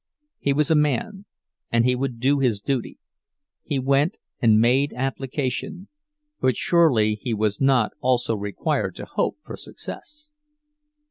He was a man, and he would do his duty; he went and made application—but surely he was not also required to hope for success!